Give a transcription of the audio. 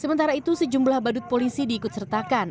sementara itu sejumlah badut polisi diikut sertakan